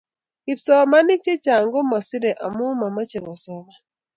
Kipsomanik chechang komasiri amu machome kosoman.